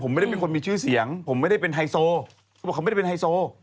ผมไม่ได้เป็นคนมีชื่อเสียงผมไม่ได้เป็นไฮโซ